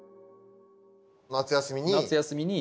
夏休みに。